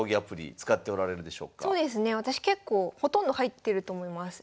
私結構ほとんど入ってると思います。